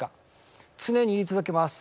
常に言い続けます